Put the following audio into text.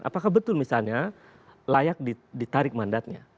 apakah betul misalnya layak ditarik mandatnya